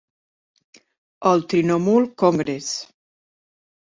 El Trinomul Congress.